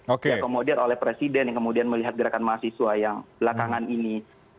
karena kita sudah dikonspirasi oleh presiden yang kemudian melihat gerakan mahasiswa yang belakangan ini